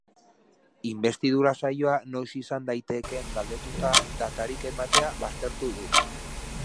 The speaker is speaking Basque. Inbestidura saioa noiz izan daitekeen galdetuta, datarik ematea baztertu du.